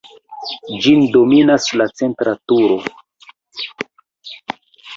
Ĝin dominas la centra turo.